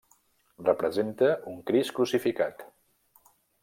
Representa un Crist crucificat.